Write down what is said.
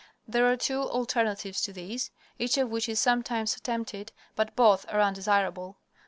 There are two alternatives to this, each of which is sometimes attempted, but both are undesirable.